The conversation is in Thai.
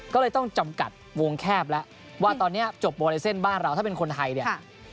ก็เลยต้องจำกัดวงแคบแล้วว่าตอนนี้จบโบเลเซ่นบ้านเราถ้าเป็นคนไทยเนี่ย